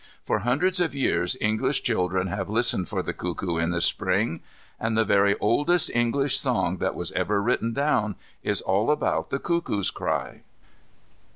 For hundreds of years English children have listened for the cuckoo in the Spring, and the very oldest English song that was ever written down is all about the cuckoo's cry.